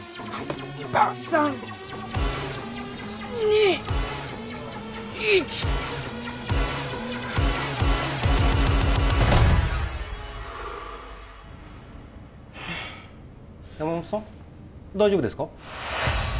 バカ３２１ふうはあ山本さん大丈夫ですか？